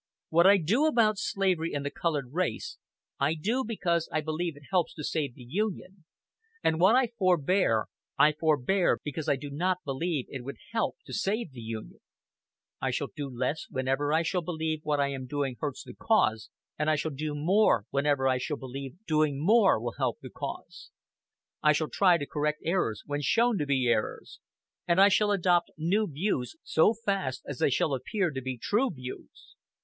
What I do about slavery and the colored race, I do because I believe it helps to save the Union, and what I forbear I forbear because I do not believe it would help to save the Union. I shall do less whenever I shall believe what I am doing hurts the cause, and I shall do more whenever I shall believe doing more will help the cause. I shall try to correct errors when shown to be errors, and I shall adopt new views so fast as they shall appear to be true views.